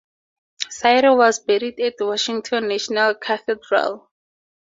Sayre was buried at Washington National Cathedral.